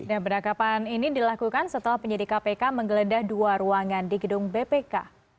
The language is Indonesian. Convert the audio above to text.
dan penangkapan ini dilakukan setelah penyidik kpk menggelendah dua ruangan di gedung bpk